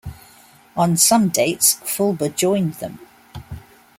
On some dates, Fulber joined them.